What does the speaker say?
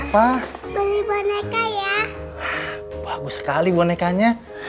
sekarang gue mau mulai kayanya